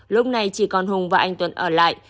lúc này chỉ còn hùng và anh tuấn ở lại